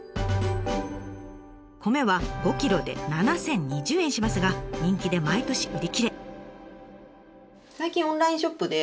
米は５ｋｇで７，０２０円しますが人気で毎年売り切れ。